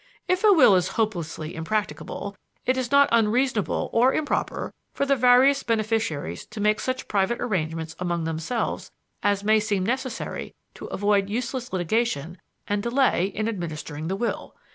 If a will is hopelessly impracticable, it is not unreasonable or improper for the various beneficiaries to make such private arrangements among themselves as may seem necessary to avoid useless litigation and delay in administering the will.